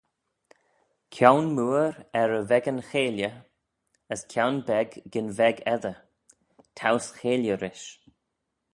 "Kione mooar er y veggan cheilley, as kione beg gyn veg edyr; towse cheilley rish"